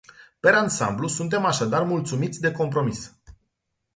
Per ansamblu, suntem așadar mulțumiți de compromis.